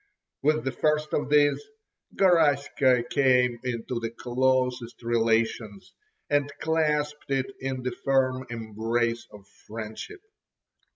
With the first of these, Garaska came into the closest relations, and clasped it in the firm embrace of friendship.